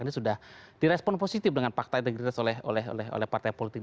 ini sudah direspon positif dengan fakta integritas oleh partai politik